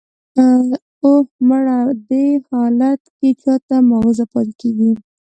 "اوه، مړه! دې حالت کې چا ته ماغزه پاتې کېږي!"